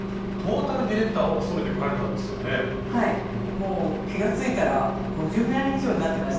もう気が付いたら５０年以上になってました。